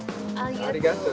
ありがとう！